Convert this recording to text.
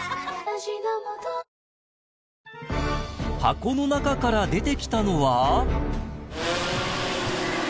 ［箱の中から出てきたのは］